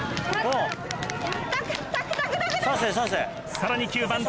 さらに９番七夕。